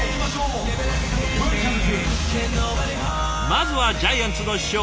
まずはジャイアンツの主将